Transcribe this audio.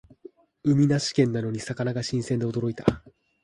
海なし県なのに魚が新鮮で驚いた